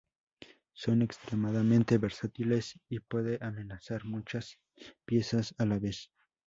Son extremadamente versátiles y puede amenazar muchas piezas a la vez.